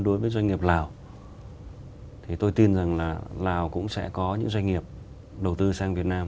đối với doanh nghiệp lào thì tôi tin rằng là lào cũng sẽ có những doanh nghiệp đầu tư sang việt nam